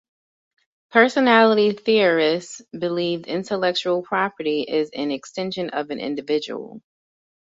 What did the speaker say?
Personality theorists believe intellectual property is an extension of an individual.